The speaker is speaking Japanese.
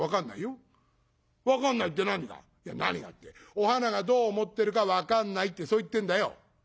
お花がどう思ってるか分かんないってそう言ってんだよ」。